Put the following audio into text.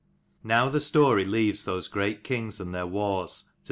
[OW the story leaves those CHAPTER great kings and their wars, to XIV.